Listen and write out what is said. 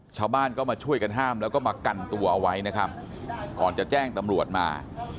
ชาวบ้านก็มาช่วยกันห้ามแล้วก็มากันตัวเอาไว้นะครับก่อนจะแจ้งตำรวจมา